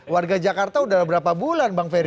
warga jakarta udah berapa bulan bang ferry